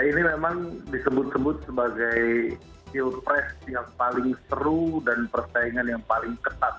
ini memang disebut sebut sebagai pilpres yang paling seru dan persaingan yang paling ketat